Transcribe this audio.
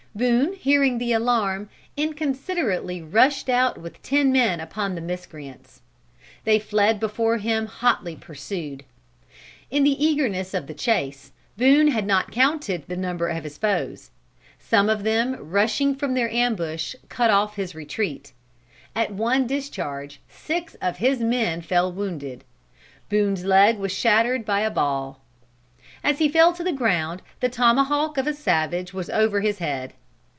Boone hearing the alarm, inconsiderately rushed out with ten men upon the miscreants. They fled before him hotly pursued. In the eagerness of the chase, Boone had not counted the number of his foes. Some of them rushing from their ambush cut off his retreat. At one discharge, six of his men fell wounded. Boone's leg was shattered by a ball. As he fell to the ground, the tomahawk of a savage was over his head.